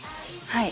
はい。